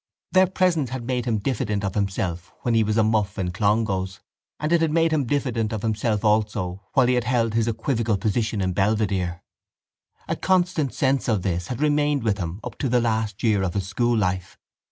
Their presence had made him diffident of himself when he was a muff in Clongowes and it had made him diffident of himself also while he had held his equivocal position in Belvedere. A constant sense of this had remained with him up to the last year of his school life.